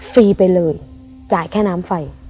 ฟรีไปเลยจ่ายแค่น้ำไฟ